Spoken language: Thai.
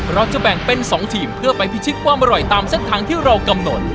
เราจะแบ่งเป็น๒ทีมเพื่อไปพิชิตความอร่อยตามเส้นทางที่เรากำหนด